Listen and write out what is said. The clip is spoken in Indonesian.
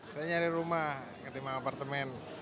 saya nyari rumah ketimbang apartemen